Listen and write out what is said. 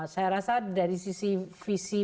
saya rasa dari sisi visi